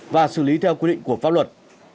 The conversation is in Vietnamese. và xử lý theo quy định của pháp luật